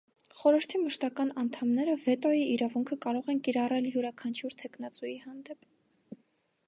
Խորհրդի մշտական անդամները վետոյի իրավունքը կարող են կիրառել յուրաքանչյուր թեկնածուի հանդեպ։